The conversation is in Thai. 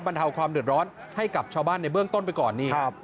เทาความเดือดร้อนให้กับชาวบ้านในเบื้องต้นไปก่อนนี่